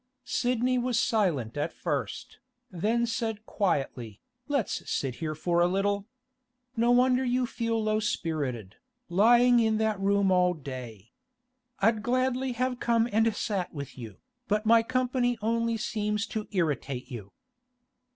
Sidney was silent at first, then said quietly, 'Let's sit here for a little. No wonder you feel low spirited, lying in that room all day. I'd gladly have come and sat with you, but my company only seems to irritate you.